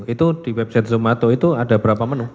itu di website zomato itu ada berapa menu